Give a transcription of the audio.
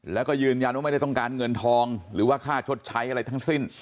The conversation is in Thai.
แล้วก็ยืนยันว่าไม่ได้ต้องการเงินทองหรือว่าค่าชดใช้อะไรทั้งสิ้น